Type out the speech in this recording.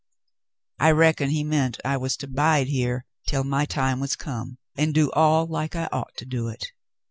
I reckon he meant I was to bide here until my time was come, and do all like I ought to do it.